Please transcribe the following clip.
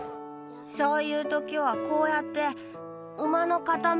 そういう時はこうやって。